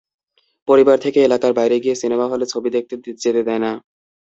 পরিবার থেকে এলাকার বাইরে গিয়ে সিনেমা হলে ছবি দেখতে যেতে দেয় না।